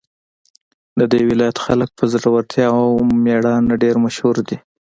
د دې ولایت خلک په زړورتیا او میړانه ډېر مشهور دي